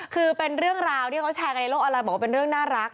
คือเป็นเรื่องราวที่เขาแชร์กันในโลกออนไลน์บอกว่าเป็นเรื่องน่ารัก